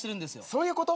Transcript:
そういうこと？